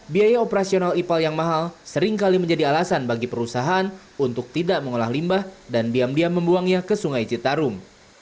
biaya operasional ipal yang mahal seringkali menjadi alasan bagi perusahaan untuk tidak mengolah limbah dan diam diam membuangnya ke sungai citarum